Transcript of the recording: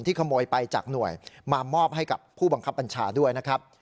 ขโมยไปจากหน่วยมามอบให้กับผู้บังคับบัญชาด้วยนะครับ